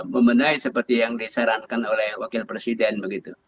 memenai seperti yang disarankan oleh wakil presiden begitu